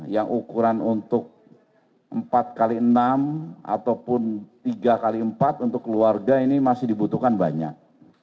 yang ukuran untuk empat x enam ataupun tiga x empat untuk keluarga ini masih dibutuhkan banyak